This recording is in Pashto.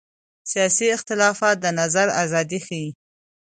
سیاسي اختلاف د نظر ازادي ښيي